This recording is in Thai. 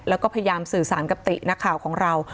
แล้วก็พยายามสื่อสารกับตินักข่าวของเรา